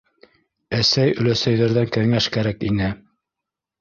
Әсәй-өләсәйҙәрҙән кәңәш кәрәк ине.